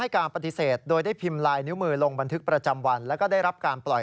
ขอบคุณครับ